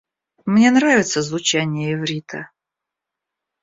Мне нравится звучание иврита.